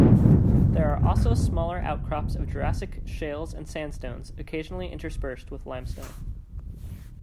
There are also smaller outcrops of Jurassic shales and sandstones occasionally interspersed with limestone.